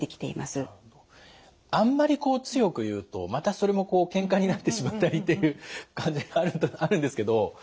あんまりこう強く言うとまたそれもけんかになってしまったりっていう感じがあるんですけど。